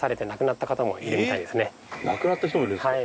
亡くなった人もいるんですか？